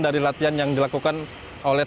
dari latihan yang dilakukan oleh